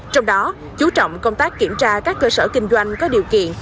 trong đó chú trọng công tác kiểm tra các cơ sở kinh doanh có điều kiện